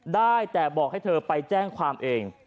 ได้แต่บอกให้เธอไปแจ้งความเอง